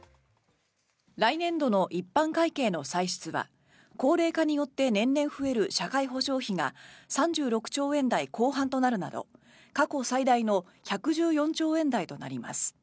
来年度の一般会計の歳出は高齢化によって年々増える社会保障費が３６兆円台後半となるなど過去最大の１１４兆円台となります。